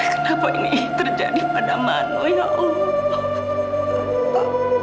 kenapa ini terjadi pada mano ya ibu